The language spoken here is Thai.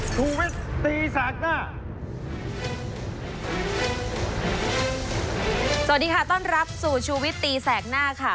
สวัสดีค่ะต้อนรับสู่ชูวิตตีแสกหน้าค่ะ